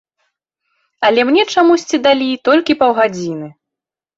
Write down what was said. Але мне чамусьці далі толькі паўгадзіны.